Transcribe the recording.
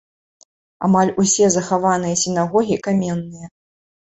Амаль усе захаваныя сінагогі каменныя.